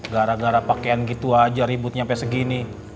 gara gara pakaian gitu aja ributnya sampai segini